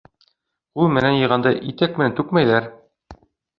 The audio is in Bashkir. Ҡул менән йыйғанды итәк менән түкмәйҙәр.